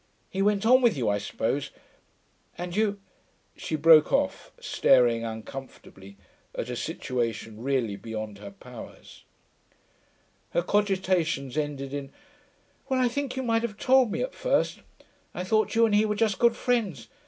He went on with you, I suppose.... And you....' She broke off, staring, uncomfortably, at a situation really beyond her powers. Her cogitations ended in, 'Well, I think you might have told me at first. I thought you and he were just good friends.